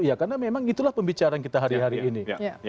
ya karena memang itulah pembicaraan kita hari hari ini